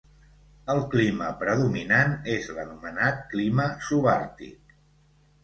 El clima predominant és l'anomenat clima subàrtic.